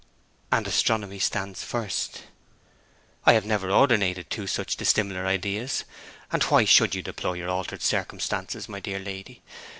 'And astronomy stands first.' 'I have never ordinated two such dissimilar ideas. And why should you deplore your altered circumstances, my dear lady?